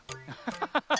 ハハハハ。